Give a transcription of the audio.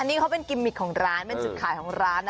อันนี้เป็นกิมมิถของร้านเป็นสุดขายของร้าน